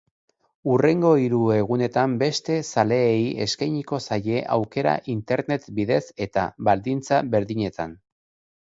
Hurrengo hiru egunetan beste zaleei eskeiniko zaie aukera internet bidez eta baldintza berdinetan.